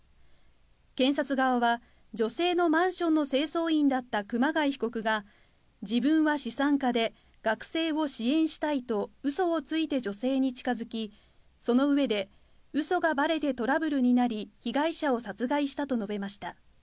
検察側は、女性のマンションの清掃員だった熊谷被告が、自分は資産家で、学生を支援したいとうそをついて女性に近づき、その上で、うそがばれてトラブルになり、被害者を殺害したと述べました。